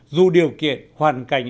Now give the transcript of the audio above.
dù điều kiện hoàn cảnh